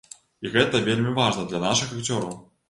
І гэта вельмі важна для нашых акцёраў.